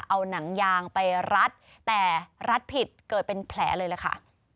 เอาหนังยางไปรัดแต่รัดผิดเกิดเป็นแผลเลยล่ะค่ะ